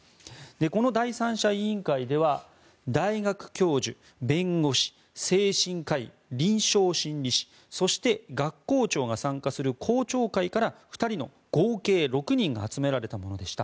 この第三者委員会では大学教授、弁護士、精神科医臨床心理士そして学校長が参加する校長会から２人の合計６人が集められたものでした。